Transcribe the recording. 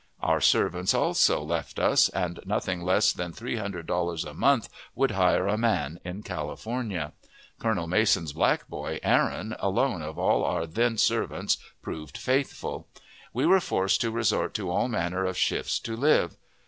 Our servants also left us, and nothing less than three hundred dollars a month would hire a man in California; Colonel Mason's black boy, Aaron, alone of all our then servants proving faithful. We were forced to resort to all manner of shifts to live.